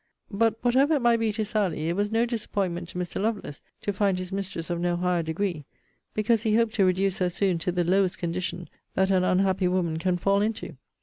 But whatever it might be to Sally, it was no disappointment to Mr. Lovelace, to find his mistress of no higher degree; because he hoped to reduce her soon to the lowest condition that an unhappy woman can fall into.